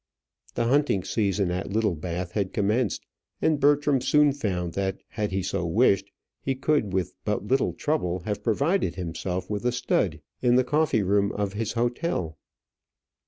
The hunting season at Littlebath had commenced, and Bertram soon found that had he so wished he could with but little trouble have provided himself with a stud in the coffee room of his hotel.